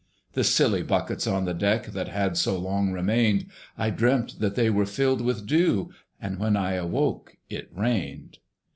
The silly buckets on the deck, That had so long remained, I dreamt that they were filled with dew; And when I awoke, it rained.